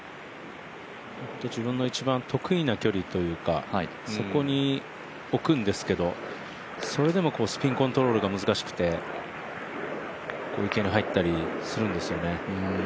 自分の一番得意な距離というかそこに置くんですけど、それでもスピンコントロールが難しくて池に入ったりするんですよね。